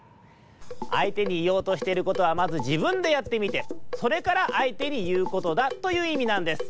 「あいてにいおうとしてることはまずじぶんでやってみてそれからあいてにいうことだ」といういみなんです。